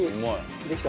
できた？